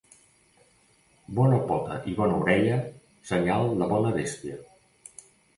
Bona pota i bona orella, senyal de bona bèstia.